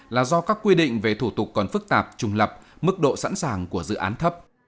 là do các quy định về thủ tục còn phức tạp trùng lập mức độ sẵn sàng của dự án thấp